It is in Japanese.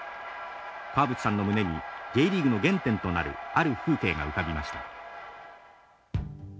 川淵さんの胸にＪリーグの原点となるある風景が浮かびました。